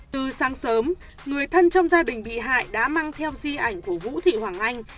từ sáng sớm người thân trong gia đình bị hại đã mang theo di ảnh của vũ thị hoàng anh